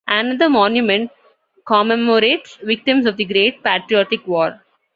Another monument commemorates victims of the Great Patriotic War.